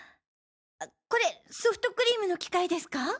これソフトクリームの機械ですか？